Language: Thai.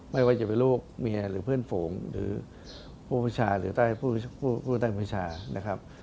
ไม่ว่าจะเป็นลูกเมียหรือเพื่อนฝูงหรือผู้บัญชาหรือใต้ผู้ใต้บัญชานะครับ